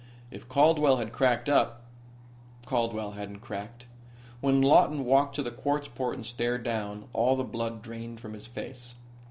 If Caldwell had cracked up Caldwell hadn't cracked. When Lawton walked to the quartz port and stared down all the blood drained from his face.